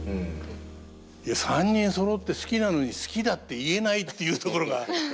いや３人そろって好きなのに「好きだ」って言えないっていうところが。